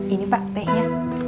ini pak tehnya